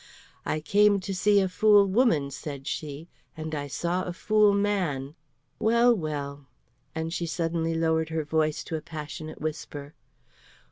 "I came to see a fool woman," said she, "and I saw a fool man. Well, well!" and she suddenly lowered her voice to a passionate whisper.